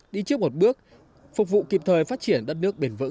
đi trước một bước phục vụ kịp thời phát triển đất nước bền vững